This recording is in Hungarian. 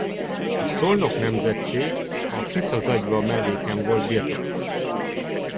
A Szolnok nemzetség a Tisza-Zagyva melléken volt birtokos.